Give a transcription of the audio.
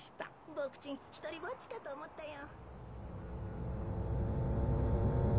ボクちんひとりぼっちかとおもったよ。